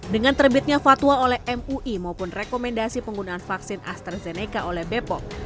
dengan terbitnya fatwa oleh mui maupun rekomendasi penggunaan vaksin astrazeneca oleh bepom